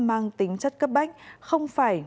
mang tính chất cấp bách không phải